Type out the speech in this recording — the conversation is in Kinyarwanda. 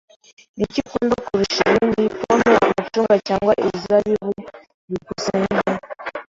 Niki ukunda kurusha ibindi, pome, amacunga cyangwa inzabibu? byukusenge